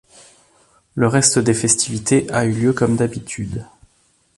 Le reste des festivités a eu lieu comme d'habitude.